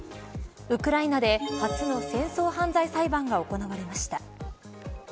ウクライナで初の戦争犯罪裁判が行われました。